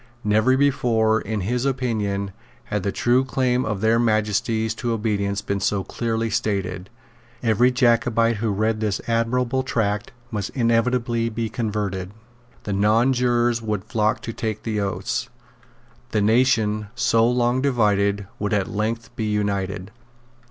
Never before, in his opinion, had the true claim of their Majesties to obedience been so clearly stated. Every Jacobite who read this admirable tract must inevitably be converted. The nonjurors would flock to take the oaths. The nation, so long divided, would at length be united.